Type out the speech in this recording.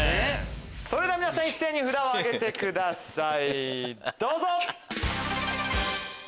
それでは皆さん一斉に札を挙げてくださいどうぞ！